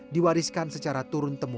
diwariskan secara turun terbentuk